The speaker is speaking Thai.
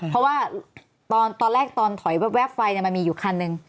เพราะว่าตอนแรกตอนถอยแว๊บไฟมันมีอยู่คันหนึ่ง